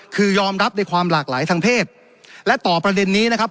คือยอมรับในความหลากหลายทางเพศและต่อประเด็นนี้นะครับ